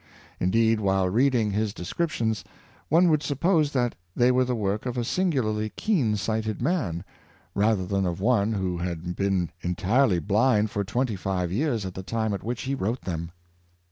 Indeed, while reading his descrip tions, one would suppose that they were the work of a singularly keen sighted man, rather than of one who had been entirely blind for twenty five years at the time at which he wrote them.